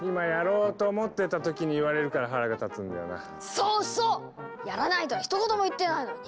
そうそう！やらないとはひと言も言ってないのに。